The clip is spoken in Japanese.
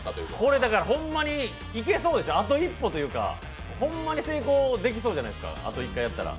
これ、いけそうですよね、あと一歩っていうか、ホンマに成功できそうじゃないですかあと１回やったら。